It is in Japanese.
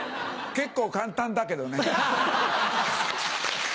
結構簡単だけどね。